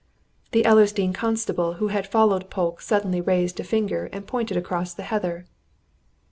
The Ellersdeane constable who had followed Polke suddenly raised a finger and pointed across the heather.